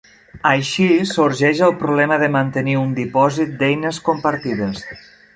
Així sorgeix el problema de mantenir un dipòsit d'eines compartides.